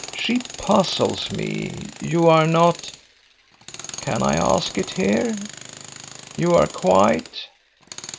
She puzzles me. You are not ... Can I ask it here? You are quite